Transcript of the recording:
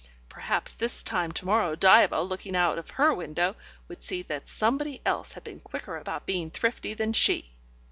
Perhaps this time to morrow, Diva, looking out of her window, would see that somebody else had been quicker about being thrifty than she.